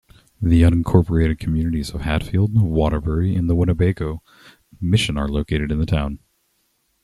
The unincorporated communities of Hatfield, Waterbury, and Winnebago Mission are located in the town.